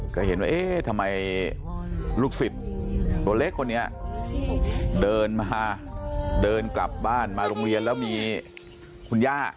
ก็เห็นว่าเอ๊ะทำไมลูกศิษย์ตัวเล็กคนนี้เดินมาเดินกลับบ้านมาโรงเรียนแล้วมีคุณย่า